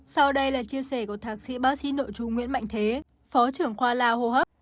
sau đây là chia sẻ của thạc sĩ bác sĩ nội chú nguyễn mạnh thế phó trưởng khoa lao hô hấp